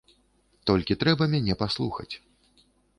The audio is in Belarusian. Толькі трэба мяне паслухаць.